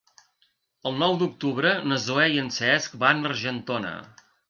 El nou d'octubre na Zoè i en Cesc van a Argentona.